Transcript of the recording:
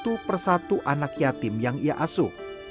dan juga dengan satu persatu anak yatim yang ia asuh